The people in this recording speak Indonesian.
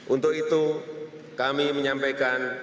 untuk itu kami menyampaikan